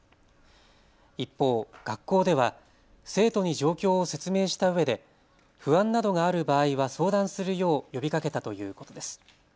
一方、学校では生徒に状況を説明したうえで不安などがある場合は相談するよう呼びかけたということです。